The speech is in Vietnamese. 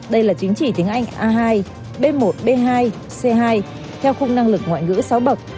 đây là chứng chỉ tiếng anh a hai b một b hai c hai theo khung năng lực ngoại ngữ sáu bậc